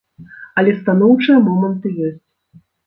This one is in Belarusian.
Але станоўчыя моманты ёсць.